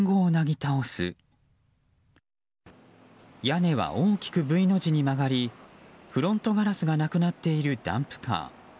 屋根は大きくＶの字に曲がりフロントガラスがなくなっているダンプカー。